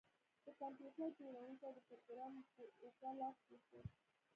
د کمپیوټر جوړونکي د پروګرامر په اوږه لاس کیښود